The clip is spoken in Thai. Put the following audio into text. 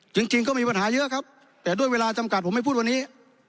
จริงจริงก็มีปัญหาเยอะครับแต่ด้วยเวลาจำกัดผมไม่พูดวันนี้